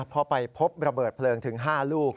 เพราะไปพบระเบิดเปลืองถึง๕ลูก